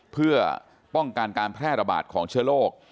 เพื่อป้องกันการแพร่ระบาดของเชื้อโรค